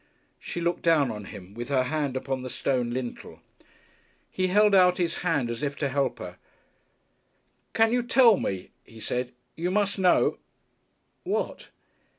She looked down on him, with her hand upon the stone lintel. He held out his hand as if to help her. "Can you tell me?" he said. "You must know " "What?"